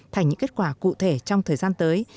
thành những kết quả cụ thể trong thời gian tới